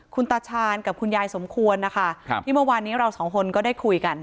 คุณตาชาญกับคุณยายสมควรนะคะครับที่เมื่อวานนี้เราสองคนก็ได้คุยกัน